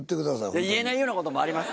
言えないようなこともあります